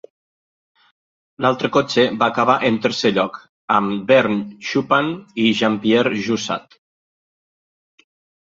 L'altre cotxe va acabar en tercer lloc amb Vern Schuppan i Jean-Pierre Jaussaud.